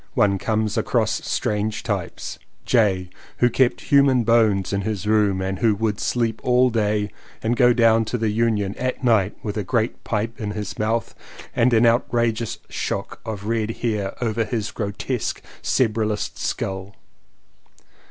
One comes across strange types. J., who kept human bones in his room and who would sleep all day and go down to the Union at night with a great pipe in his mouth and an outrageous shock of red hair over his grotesque "cerebralist" skull.